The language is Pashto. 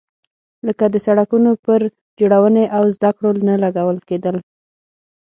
لکه د سړکونو پر جوړونې او زده کړو نه لګول کېدل.